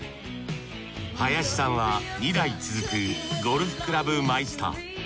林さんは２代続くゴルフクラブマイスター。